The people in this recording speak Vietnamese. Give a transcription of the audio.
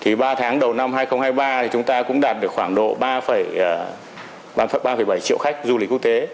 thì ba tháng đầu năm hai nghìn hai mươi ba thì chúng ta cũng đạt được khoảng độ ba bảy triệu khách du lịch quốc tế